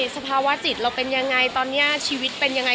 สภาวะจิตเราเป็นยังไงตอนนี้ชีวิตเป็นยังไง